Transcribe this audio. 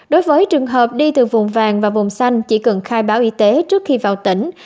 đối với trường hợp đi từ vùng vàng và vùng xanh chỉ cần khai báo y tế trước khi vào tỉnh